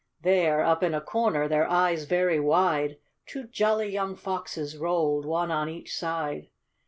There, up in a corner, their eyes very wide, Two jolly young foxes rolled, — one on each side.